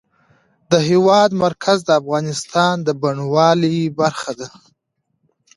د هېواد مرکز د افغانستان د بڼوالۍ برخه ده.